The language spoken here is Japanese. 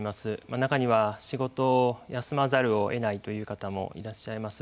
中には仕事を休まざるを得ないという方もいらっしゃいます。